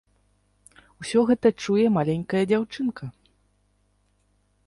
Усё гэта чуе маленькая дзяўчынка.